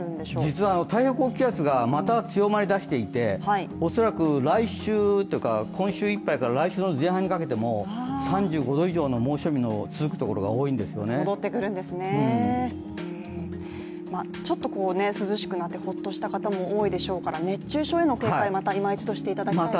実は台風高気圧がまた強まり始めていて、恐らく来週今週いっぱいから来週の前半にかけても３５度以上の猛暑日の続くところが多くなりそうなんですねちょっと涼しくなってホッとした方も多いでしょうから熱中症への警戒、いま一度していただきたいですね。